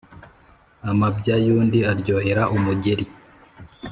Amabya y’undi aryohera umugeri.